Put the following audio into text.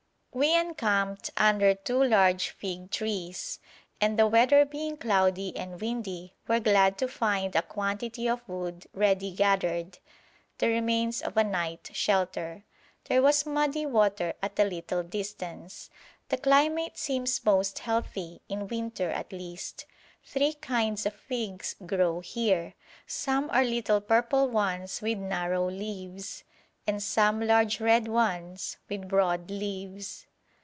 We encamped under two large fig trees, and the weather being cloudy and windy were glad to find a quantity of wood ready gathered, the remains of a night shelter. There was muddy water at a little distance. The climate seems most healthy, in winter at least. Three kinds of figs grow here. Some are little purple ones with narrow leaves, and some large red ones with broad leaves.